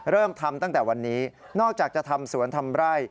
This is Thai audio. เริ่มทำตั้งแต่วันนี้นอกจากจะทำสวนทำไร่